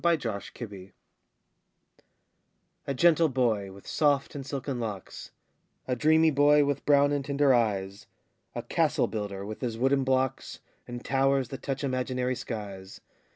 THE CASTLE BUILDER A gentle boy, with soft and silken locks A dreamy boy, with brown and tender eyes, A castle builder, with his wooden blocks, And towers that touch imaginary skies.